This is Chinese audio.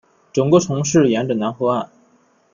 整个城市沿着楠河岸。